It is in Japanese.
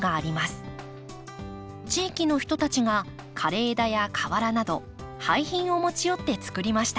地域の人たちが枯れ枝や瓦など廃品を持ち寄って作りました。